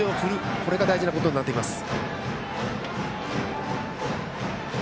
これが大事なことになってきます。